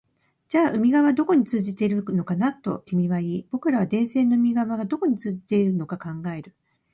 じゃあ海側はどこに通じているのかな、と君は言い、僕らは電線の海側がどこに通じているのか考える